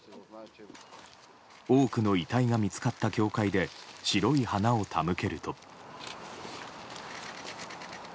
多くの遺体が見つかった教会で白い花を手向けると。